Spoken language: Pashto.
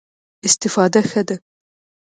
استفاده ښه ده.